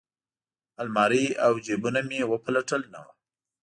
المارۍ او جیبونه مې وپلټل نه وه.